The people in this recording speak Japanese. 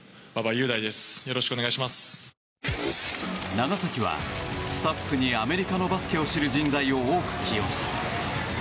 長崎はスタッフにアメリカのバスケを知る人材を多く起用しＢ